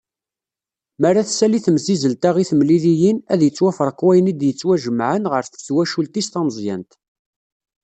Mi ara tessali temsizzelt-a i temliliyin, ad yettwafreq wayen i d-yettwajemɛen ɣef twacult-is tameẓẓyant.